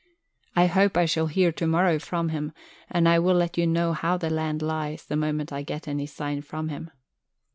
I hope I shall hear to morrow from him, and I will let you know how the land lies the moment I get any sign from him.